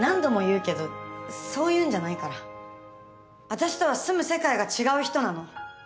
私とは住む世界が違う人なの。